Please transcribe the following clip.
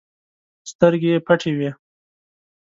سترګې یې پټې وي.